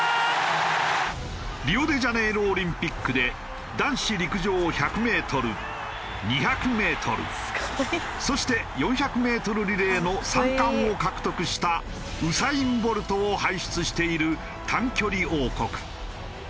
リオデジャネイロオリンピックで男子陸上１００メートル２００メートルそして４００メートルリレーの３冠を獲得したウサイン・ボルトを輩出している短距離王国。